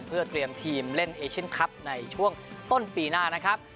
เพื่อเตรียมทีมเล่นเอเชียนคลับในช่วงต้นปีหน้านะครับ